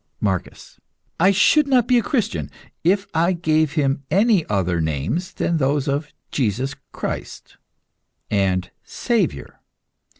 MARCUS. I should not be a Christian if I gave Him any other names than those of Jesus Christ, and Saviour.